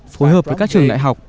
phối hợp với các trường đại học